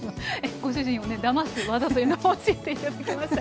ご主人をねだます技というのも教えて頂きました。